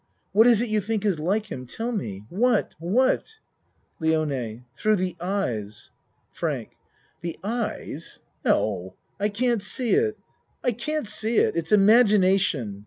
What is it you think is like him? Tell me. What? What? LIONE Thro the eyes. FRANK The eyes? No I can't see it. I can't see it. It's imagination.